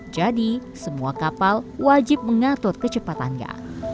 jadi semua kapal wajib mengatur kecepatannya